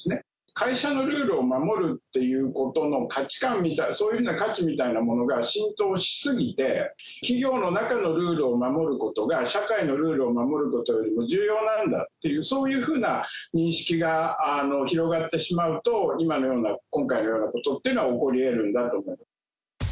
会社のルールを守るっていうことの価値観みたいな、そういうような価値みたいなものが浸透し過ぎて、企業の中のルールを守ることが社会の守ることよりも重要なんだっていう、そういうふうな認識が広がってしまうと、今のような、今回のようなことが起こりうるんだと思う。